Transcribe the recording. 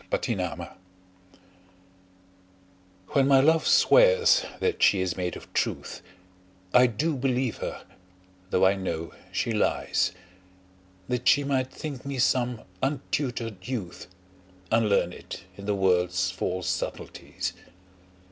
CXXXVIII When my love swears that she is made of truth, I do believe her though I know she lies, That she might think me some untutor'd youth, Unlearned in the world's false subtleties.